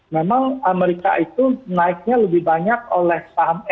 memang amerika itu naiknya lebih banyak oleh saham